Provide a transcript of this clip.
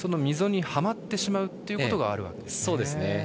溝にはまってしまうことがあるわけですね。